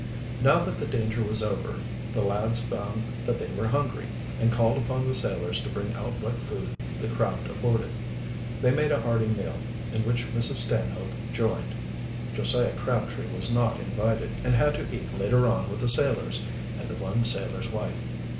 Now that the danger was over the lads found that they were hungry, and called upon the sailors to bring out what food the craft afforded. They made a hearty meal, in which Mrs. Stanhope joined. Josiah Crabtree was not invited, and had to eat later on with the sailors and the one sailor's wife.